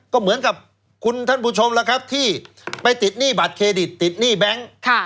ก็เหมือนกับคุณท่านผู้ชมแล้วครับที่ไปติดหนี้บัตรเครดิตติดหนี้แบงค์